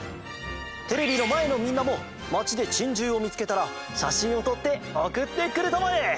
テレビのまえのみんなもまちでチンジューをみつけたらしゃしんをとっておくってくれたまえ！